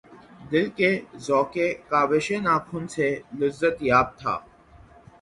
دل کہ ذوقِ کاوشِ ناخن سے لذت یاب تھا